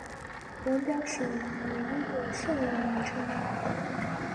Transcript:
本表首栏为英文圣人名称。